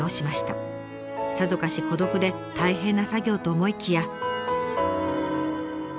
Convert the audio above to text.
さぞかし孤独で大変な作業と思いきや。